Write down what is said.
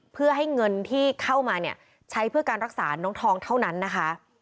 เพื่อให้เงินที่เข้ามาเนี่ยใช้เพื่อการรักษาน้องทองเท่านั้นนะคะ